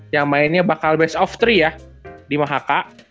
yang mainnya bakal best of tiga ya di mhk